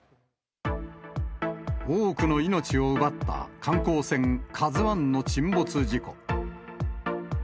多くの命を奪った観光船カズワンの沈没事故。